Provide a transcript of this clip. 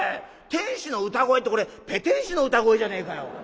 天使の歌声ってこれペテン師の歌声じゃねえかよ。